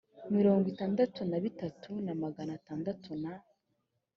mirongo itandatu na bitatu na magana atandatu na